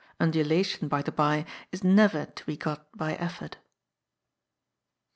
Undulation, by the bye, is never to be got by effort.